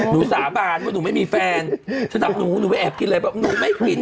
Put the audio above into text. หนูสาบานว่าหนูไม่มีแฟนฉันทำหนูหนูไปแอบกินเลยแบบหนูไม่กิน